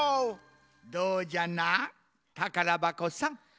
どうじゃなたからばこさん？